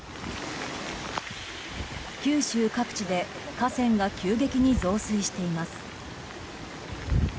九州各地で河川が急激に増水しています。